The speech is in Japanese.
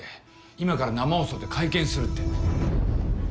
今から生放送で会見するって。